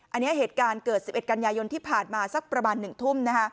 อันเนี้ยเหตุการณ์เกิดสิบเอ็ดกันยายนที่ผ่านมาสักประมาณหนึ่งทุ่มนะฮะ